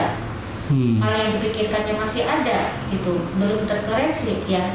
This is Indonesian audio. hal yang dipikirkan masih ada belum terkoreksi